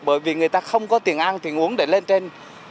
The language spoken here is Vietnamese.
bởi vì người ta không có tiền ăn tiền uống để lên trên